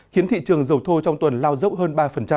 khiến thị trường dầu thô trong tuần lao dốc hơn ba